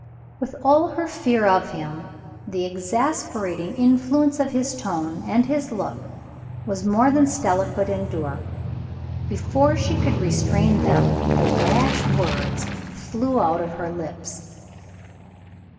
With all her fear of him, the exasperating influence of his tone and his look was more than Stella could endure. Before she could restrain them, the rash words flew out of her lips.